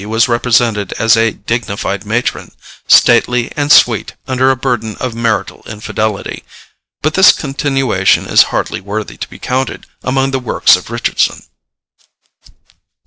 was represented as a dignified matron, stately and sweet under a burden of marital infidelity. But this continuation is hardly worthy to be counted among the works of Richardson.